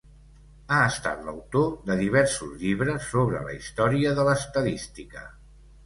Ha estat l'autor de diversos llibres sobre la història de l'estadística.